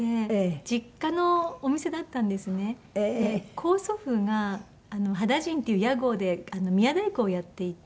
高祖父が羽田甚っていう屋号で宮大工をやっていて。